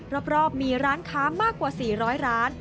รอบมีร้านค้ามากกว่า๔๐๐ร้าน